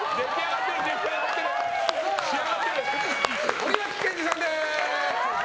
森脇健児さんです。